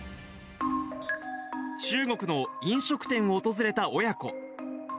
中国の飲食店を訪れた親子。